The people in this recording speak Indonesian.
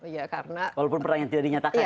walaupun perang yang tidak dinyatakan ya